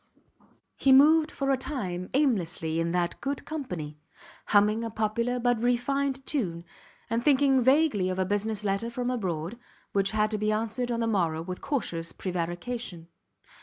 He moved for a time aimlessly in that good company, humming a popular but refined tune, and thinking vaguely of a business letter from abroad, which had to be answered on the morrow with cautious prevarication.